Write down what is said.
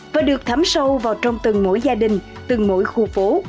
và được thấm sâu vào trong từng mỗi gia đình từng mỗi khu phố